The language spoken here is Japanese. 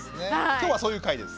今日はそういう回です。